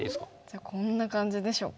じゃあこんな感じでしょうか。